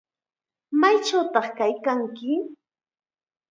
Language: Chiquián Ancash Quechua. ¿Maychawtaq kaykanki?